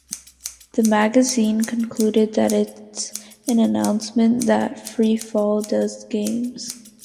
The magazine concluded that it's an announcement that Free Fall does games.